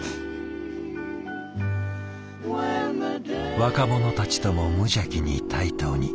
若者たちとも無邪気に対等に。